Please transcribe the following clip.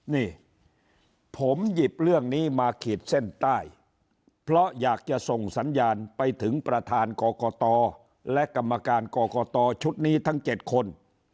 นี่ผมหยิบเรื่องนี้มาขีดเส้นใต้เพราะอยากจะส่งสัญญาณไปถึงประธานกรกตและกรรมการกรกตชุดนี้ทั้ง๗คน